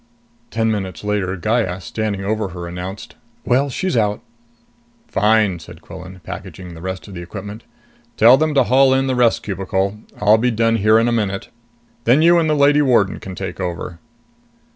Ten minutes later, Gaya, standing over her, announced, "Well, she's out." "Fine," said Quillan, packaging the rest of the equipment. "Tell them to haul in the rest cubicle. I'll be done here in a minute. Then you and the lady warden can take over."